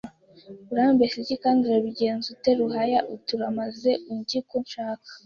Urambeshya iki kandi Urabigenza ute Ruhaya iti uramaze undye uko ushaka